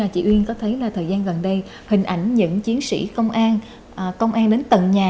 chị uyên có thấy là thời gian gần đây hình ảnh những chiến sĩ công an công an đến tận nhà